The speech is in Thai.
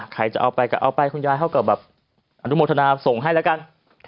ใครจะเอาไปก็เอาไปคุณยายเขาก็แบบอนุโมทนาส่งให้แล้วกัน